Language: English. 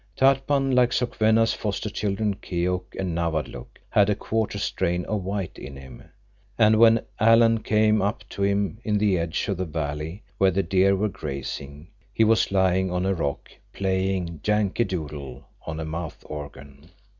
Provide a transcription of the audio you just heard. Tatpan, like Sokwenna's foster children, Keok and Nawadlook, had a quarter strain of white in him, and when Alan came up to him in the edge of the valley where the deer were grazing, he was lying on a rock, playing Yankee Doodle on a mouth organ.